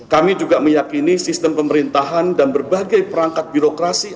kami juga meyakini sistem pemerintahan dan berbagai perangkat birokrasi